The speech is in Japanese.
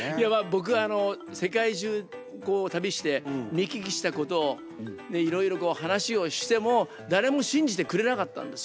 僕あの世界中こう旅して見聞きしたことをいろいろこう話をしても誰も信じてくれなかったんですよ。